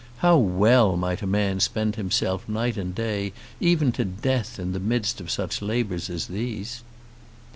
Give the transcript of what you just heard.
How well might a man spend himself night and day, even to death, in the midst of labours such as these.